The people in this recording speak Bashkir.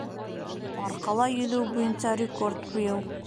Арҡала йөҙөү буйынса рекорд ҡуйыу